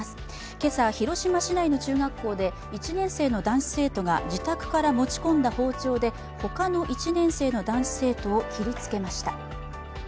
今朝、広島市内の中学校で１年生の男子生徒が自宅から持ち込んだ包丁で他の１年生の男子生徒を切りつけました。